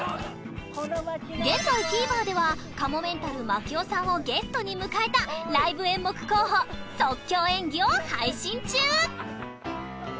現在 ＴＶｅｒ ではかもめんたる槙尾さんをゲストに迎えたライブ演目候補「即興演技」を配信中